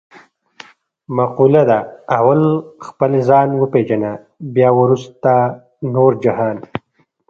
مقوله ده: اول خپل ځان و پېژنه بیا ورسته نور جهان.